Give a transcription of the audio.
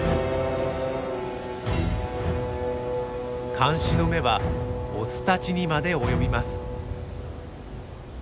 監視の目はオスたちにまで及びます。